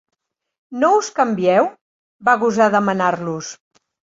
No us canvieu? —va gosar demanar-los.